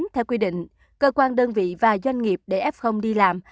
theo quy định cơ quan đơn vị và doanh nghiệp để f đi làm